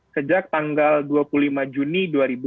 sejak tanggal dua puluh lima juni